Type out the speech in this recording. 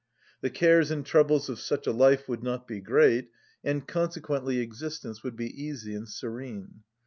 The cares and troubles of such a life would not be great, and consequently existence would be easy and serene.